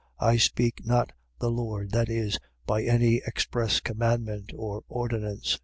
I speak, not the Lord. . .Viz., by any express commandment, or ordinance.